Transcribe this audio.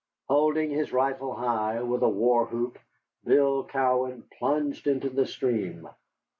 Holding his rifle high, with a war whoop Bill Cowan plunged into the stream.